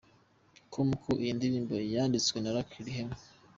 com ko iyi ndirimbo yanditswe na Lucky Rehema.